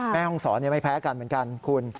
แม่ห้องสอนยังไม่แพ้กันเหมือนกัน